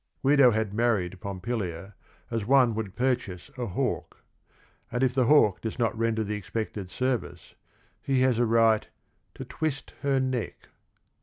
Guido had married Pompilia as one would pur chase a haw k: and if Lhn 1m, wk <1i iRT rnv rrprtdpy the expected service he has a right to " twist her neck."